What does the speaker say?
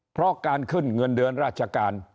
เพราะการขึ้นเงินเดือนราชการ